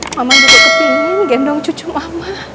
mama juga kepingin gendong cucu mama